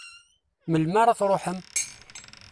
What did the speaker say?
Melmi ara truḥem?